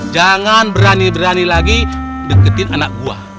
jangan berani berani lagi deketin anak buah